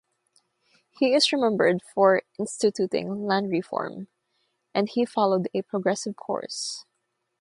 He is remembered for instituting land reform, and he followed a progressive course.